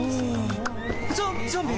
ゾゾンビ！